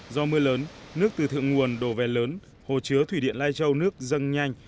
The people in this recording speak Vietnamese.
do mưa lớn nước từ thượng nguồn đổ về lớn hồ chứa thủy điện lai châu nước dâng nhanh